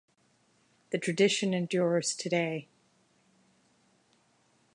The tradition endures today.